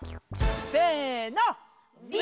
せの。